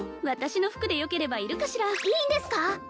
私の服でよければいるかしらいいんですか？